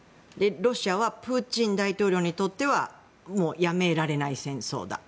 ロシアはプーチン大統領にとってはやめられない戦争だ。